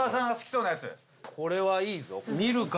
これはいいぞ。